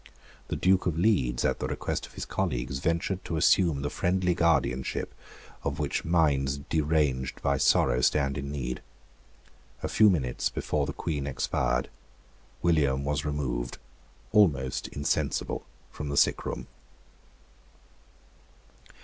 The Duke of Leeds, at the request of his colleagues, ventured to assume the friendly guardianship of which minds deranged by sorrow stand in need. A few minutes before the Queen expired, William was removed, almost insensible, from the sick room.